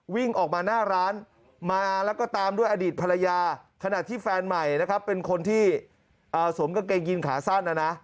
วิ่งออกมาหน้าร้านมาแล้วก็ตามด้วยอดีตภรรยาขณะที่แฟนใหม่นะครับเป็นคนที่สวมกางเกงยินขาสั้นนะนะ